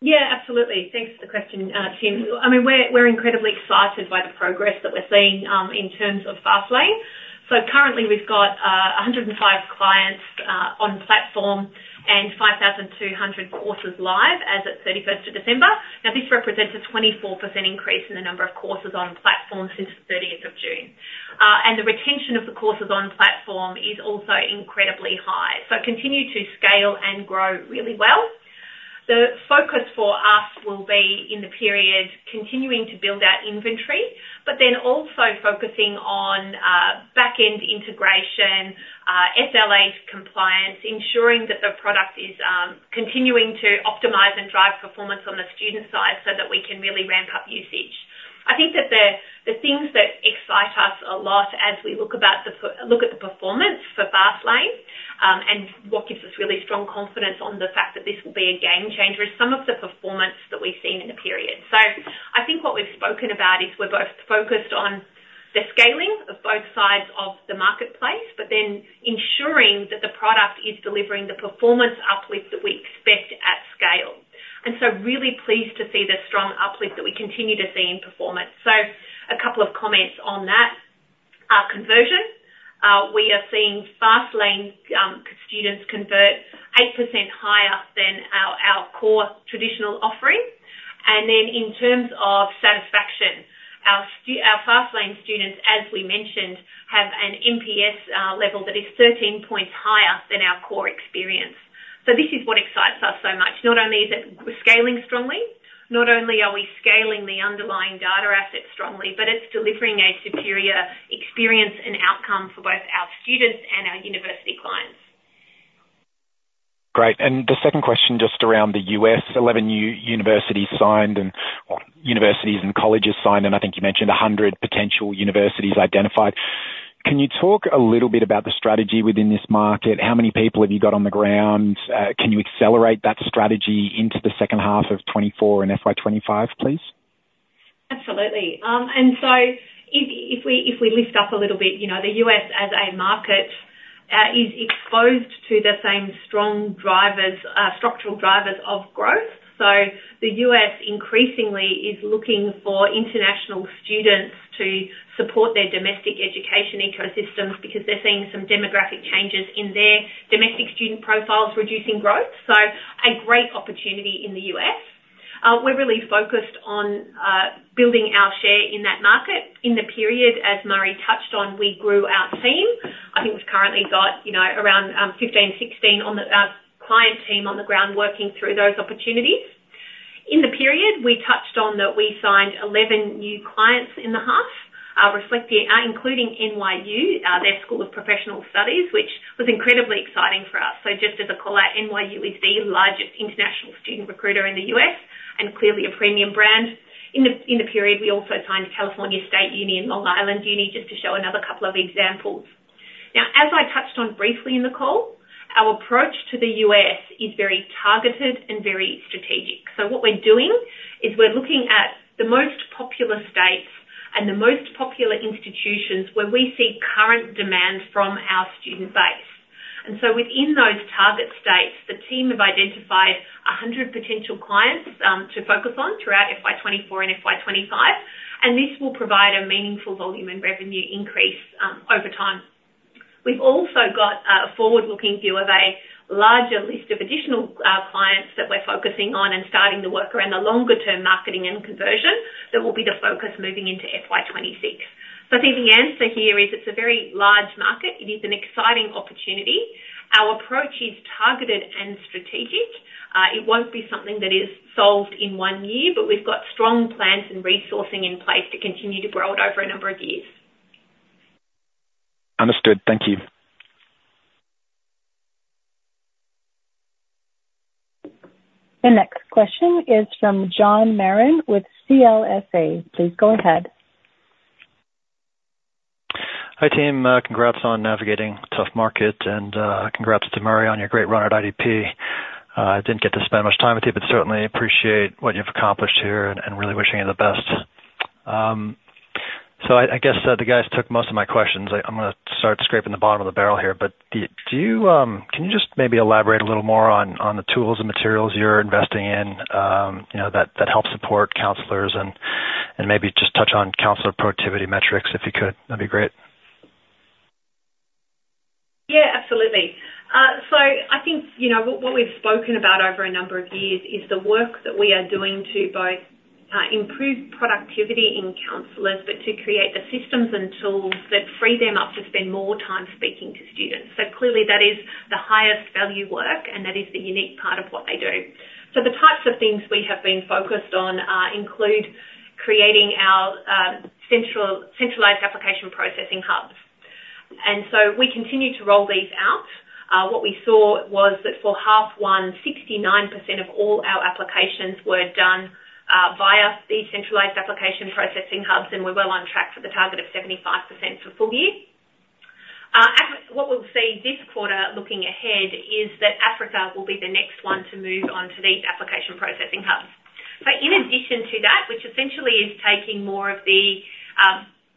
Yeah. Absolutely. Thanks for the question, Tim. I mean, we're incredibly excited by the progress that we're seeing in terms of Fastlane. So currently, we've got 105 clients on platform and 5,200 courses live as of 31st of December. Now, this represents a 24% increase in the number of courses on platform since the 30th of June. And the retention of the courses on platform is also incredibly high. So continue to scale and grow really well. The focus for us will be in the period continuing to build out inventory but then also focusing on backend integration, SLA compliance, ensuring that the product is continuing to optimize and drive performance on the student side so that we can really ramp up usage. I think that the things that excite us a lot as we look at the performance for Fastlane and what gives us really strong confidence on the fact that this will be a game-changer is some of the performance that we've seen in the period. So I think what we've spoken about is we're both focused on the scaling of both sides of the marketplace but then ensuring that the product is delivering the performance uplift that we expect at scale. And so really pleased to see the strong uplift that we continue to see in performance. So a couple of comments on that. Conversion. We are seeing Fastlane students convert 8% higher than our core traditional offering. And then in terms of satisfaction, our Fastlane students, as we mentioned, have an NPS level that is 13 points higher than our core experience. So this is what excites us so much. Not only is it scaling strongly, not only are we scaling the underlying data asset strongly, but it's delivering a superior experience and outcome for both our students and our university clients. Great. And the second question just around the U.S., 11 universities signed and, well, universities and colleges signed. And I think you mentioned 100 potential universities identified. Can you talk a little bit about the strategy within this market? How many people have you got on the ground? Can you accelerate that strategy into the second half of 2024 and FY25, please? Absolutely. And so if we lift up a little bit, the U.S. as a market is exposed to the same strong structural drivers of growth. So the U.S. increasingly is looking for international students to support their domestic education ecosystems because they're seeing some demographic changes in their domestic student profiles reducing growth. So a great opportunity in the U.S. We're really focused on building our share in that market. In the period, as Murray touched on, we grew our team. I think we've currently got around 15, 16 client team on the ground working through those opportunities. In the period, we touched on that we signed 11 new clients in the half, including NYU, their School of Professional Studies, which was incredibly exciting for us. So just as a call-out, NYU is the largest international student recruiter in the U.S. and clearly a premium brand. In the period, we also signed California State University and Long Island University just to show another couple of examples. Now, as I touched on briefly in the call, our approach to the U.S. is very targeted and very strategic. So what we're doing is we're looking at the most popular states and the most popular institutions where we see current demand from our student base. And so within those target states, the team have identified 100 potential clients to focus on throughout FY24 and FY25. And this will provide a meaningful volume and revenue increase over time. We've also got a forward-looking view of a larger list of additional clients that we're focusing on and starting to work around the longer-term marketing and conversion that will be the focus moving into FY26. So I think the answer here is it's a very large market. It is an exciting opportunity. Our approach is targeted and strategic. It won't be something that is solved in one year, but we've got strong plans and resourcing in place to continue to grow it over a number of years. Understood. Thank you. The next question is from John Marron with CLSA. Please go ahead. Hi, Tim. Congrats on navigating a tough market. Congrats to Murray on your great run at IDP. I didn't get to spend much time with you, but certainly appreciate what you've accomplished here and really wishing you the best. I guess the guys took most of my questions. I'm going to start scraping the bottom of the barrel here. Can you just maybe elaborate a little more on the tools and materials you're investing in that help support counselors and maybe just touch on counselor productivity metrics if you could? That'd be great. Yeah. Absolutely. So I think what we've spoken about over a number of years is the work that we are doing to both improve productivity in counselors but to create the systems and tools that free them up to spend more time speaking to students. So clearly, that is the highest-value work, and that is the unique part of what they do. So the types of things we have been focused on include creating our centralized application processing hubs. And so we continue to roll these out. What we saw was that for half one, 69% of all our applications were done via these centralized application processing hubs, and we're well on track for the target of 75% for full year. What we'll see this quarter looking ahead is that Africa will be the next one to move onto these application processing hubs. So in addition to that, which essentially is taking more of the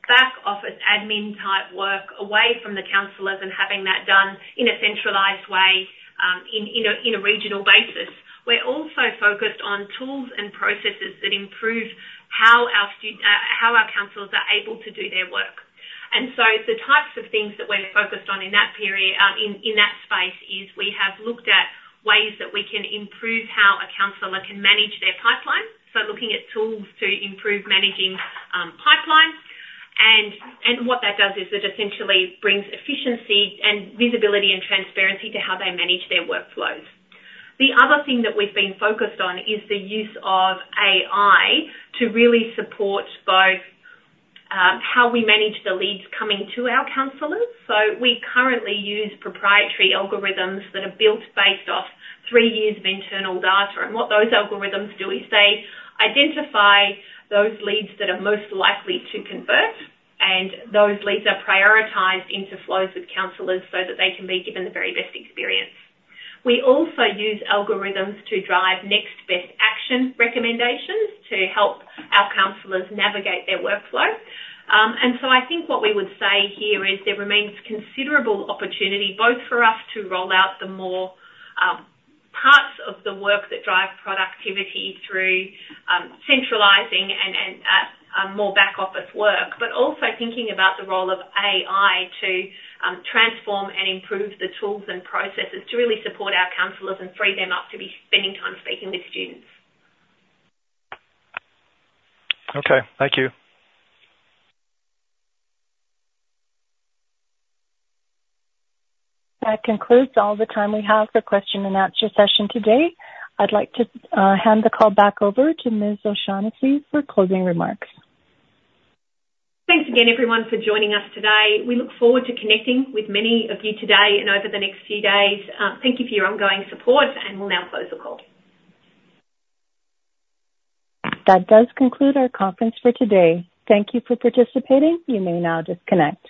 back-office admin-type work away from the counselors and having that done in a centralized way on a regional basis, we're also focused on tools and processes that improve how our counselors are able to do their work. And so the types of things that we're focused on in that space is we have looked at ways that we can improve how a counselor can manage their pipeline. So looking at tools to improve managing pipeline. And what that does is it essentially brings efficiency and visibility and transparency to how they manage their workflows. The other thing that we've been focused on is the use of AI to really support both how we manage the leads coming to our counselors. So we currently use proprietary algorithms that are built based off three years of internal data. What those algorithms do is they identify those leads that are most likely to convert, and those leads are prioritized into flows with counselors so that they can be given the very best experience. We also use algorithms to drive next-best action recommendations to help our counselors navigate their workflow. And so I think what we would say here is there remains considerable opportunity both for us to roll out the more parts of the work that drive productivity through centralizing and more back-office work but also thinking about the role of AI to transform and improve the tools and processes to really support our counselors and free them up to be spending time speaking with students. Okay. Thank you. That concludes all the time we have for question-and-answer session today. I'd like to hand the call back over to Ms. O'Shannessy for closing remarks. Thanks again, everyone, for joining us today. We look forward to connecting with many of you today and over the next few days. Thank you for your ongoing support, and we'll now close the call. That does conclude our conference for today. Thank you for participating. You may now disconnect.